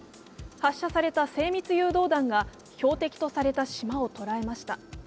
発射された精密誘導弾が標的とされた島を捉えました。